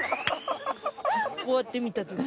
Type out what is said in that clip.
こうやって見た時に。